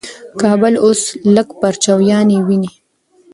کابل اوس لږ پرچاویني ویني.